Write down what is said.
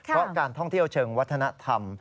เพราะการท่องเที่ยวเชิงวัฒนธรรม